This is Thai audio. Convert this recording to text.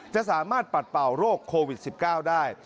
จะสามารถปัดเป่าโรคโควิด๑๙ได้